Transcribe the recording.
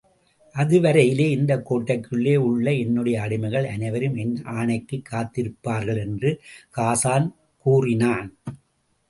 அதுவரையிலே இந்தக் கோட்டைக்குள்ளே உள்ள என்னுடைய அடிமைகள் அனைவரும் என் ஆணைக்குக் காத்திருப்பார்கள் என்று ஹாஸான் கூறினான்.